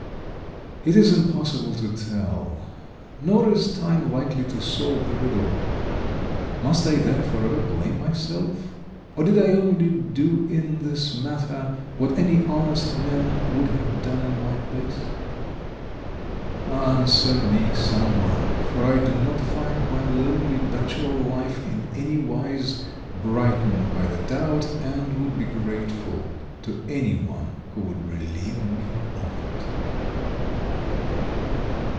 It is impossible to tell. Nor is time likely to solve the riddle. Must I then forever blame myself, or did I only do in this matter what any honest man would have done in my place? Answer me, some one, for I do not find my lonely bachelor life in any wise brightened by the doubt, and would be grateful to any one who would relieve me of it.